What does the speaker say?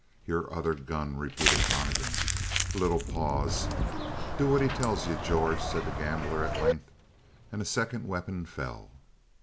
"Your other gun," repeated Donnegan. A little pause. "Do what he tells you, George," said the gambler at length, and a second weapon fell.